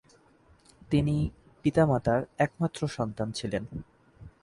তিনি পিতামাতার একমাত্র সন্তান ছিলেন।